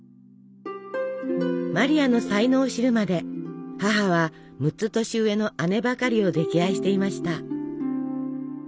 マリアの才能を知るまで母は６つ年上の姉ばかりを溺愛していました。